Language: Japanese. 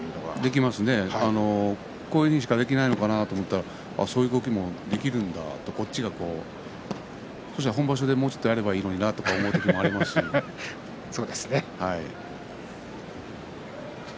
できますねこういうことしかできないのかなと思ったらそういう動きもできるのかとじゃあ本場所で、もうちょっとやればいいなと思うこともそうですね。